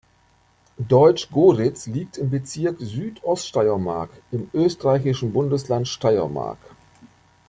Deutsch Goritz liegt im Bezirk Südoststeiermark im österreichischen Bundesland Steiermark.